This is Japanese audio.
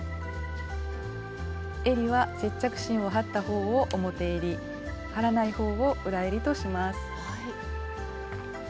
えりは接着芯を貼った方を表えり貼らない方を裏えりとします。